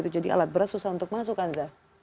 jadi alat berat susah untuk masuk kan ansa